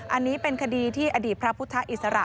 อันนี้เป็นคดีที่อดีตพระพุทธอิสระ